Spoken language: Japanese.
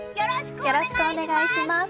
よろしくお願いします！